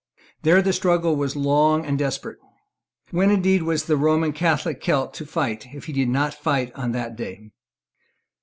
There the struggle was long and desperate. When indeed was the Roman Catholic Celt to fight if he did not fight on that day?